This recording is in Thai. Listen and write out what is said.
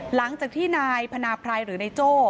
หลังจากที่นายพนาไพรหรือนายโจ้